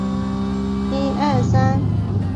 奥拉阿。